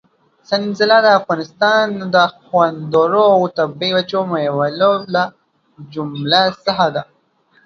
سنځله د افغانستان د خوندورو او طبي وچو مېوو له جملې څخه ده.